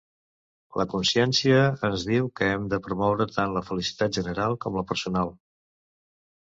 La consciència ens diu que hem de promoure tant la felicitat general com la personal.